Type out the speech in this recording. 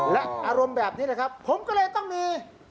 และอารมณ์แบบนี้แหละครับผมก็เลยต้องมี